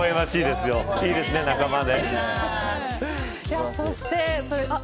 いいですね仲間で。